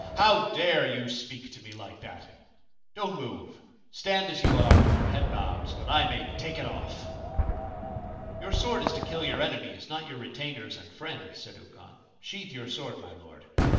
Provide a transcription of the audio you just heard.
' How dare you speak to me like that ? Don't move ! Stand as you are, with your head bowed, so that I may take it off/ * Your sword is to kill your enemies, not your retainers and friends,' said Ukon. ' Sheathe your sword, my Lord.